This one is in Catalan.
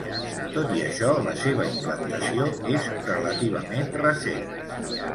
Tot i això la seva implantació és relativament recent.